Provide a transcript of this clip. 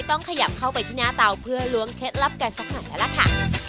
ต้องขยับเข้าไปที่หน้าเตาเพื่อล้วงเคล็ดลับกันสักหน่อยแล้วล่ะค่ะ